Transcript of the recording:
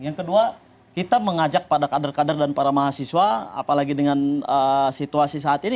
yang kedua kita mengajak pada kader kader dan para mahasiswa apalagi dengan situasi saat ini